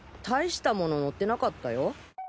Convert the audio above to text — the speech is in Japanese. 大したもの載ってなかったよ。